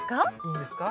いいんですか？